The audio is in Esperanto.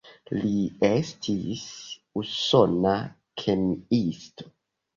Li estis usona kemiisto.